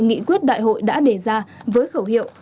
nghị quyết đại hội đã đề ra với khẩu hiệu